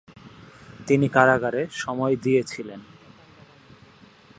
তিনি কারাগারে সময় দিয়েছিলেন।